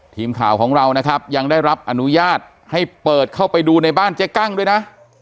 ทีมข่าวของเรานะครับยังได้รับอนุญาตให้เปิดเข้าไปดูในบ้านเจ๊กั้งด้วยนะ